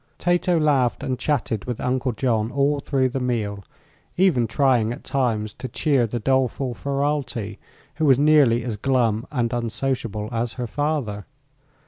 Tato laughed and chatted with Uncle John all through the meal, even trying at times to cheer the doleful Ferralti, who was nearly as glum and unsociable as her father.